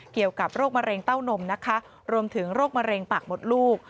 เกี่ยวกับโรคมะเร็งเต้านมนะคะรวมถึงโรคมะเร็งปากหมดลูก